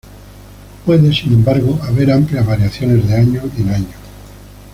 Puede, sin embargo, haber amplias variaciones de año en año.